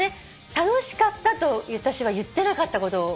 「楽しかった」と私は言ってなかったことびっくりした。